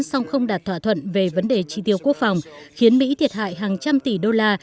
song không đạt thỏa thuận về vấn đề tri tiêu quốc phòng khiến mỹ thiệt hại hàng trăm tỷ đô la